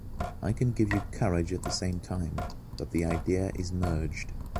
I can give you courage at the same time, but the idea is merged.